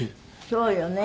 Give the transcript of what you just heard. そうよね。